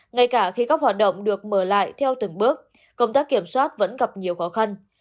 ngay cả khi các hoạt động được mở lại theo từng bước công tác kiểm soát vẫn gặp nhiều khó khăn